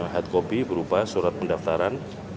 hatkopi berupa surat pendaftaran